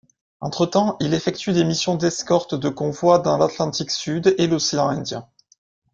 Entre-temps, il effectue des missions d'escorte de convois dans l’Atlantique Sud et l’océan Indien.